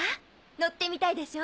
乗ってみたいでしょ？